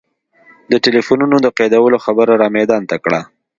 د ټلفونونو د قیدولو خبره را میدان ته کړه.